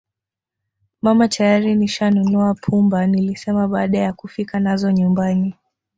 Mama tayari nishanunua pumba nilisema baada ya kufika nazo nyumbani